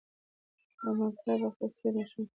له مکتبه رخصت سویو ماشومانو